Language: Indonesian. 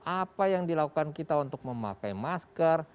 apa yang dilakukan kita untuk memakai masker